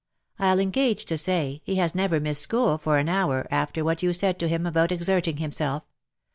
I'll engage to say, he has never missed school for an hour, after what you said to him about exerting himself.